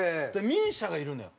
ＭＩＳＩＡがいるのよ。